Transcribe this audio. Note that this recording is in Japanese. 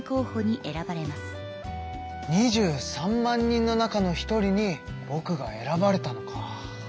２３万人の中の一人にぼくが選ばれたのか。